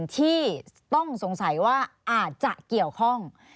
ที่ต้องสงสัยว่าอาจจะเกี่ยวข้อง